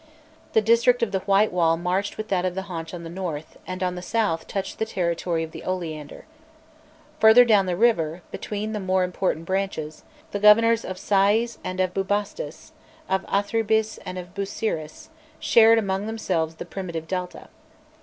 The district of the White Wall marched with that of the Haunch on the north, and on the south touched the territory of the Oleander. Further down the river, between the more important branches, the governors of Sai's and of Bubastis, of Athribis and of Busiris, shared among themselves the primitive Delta.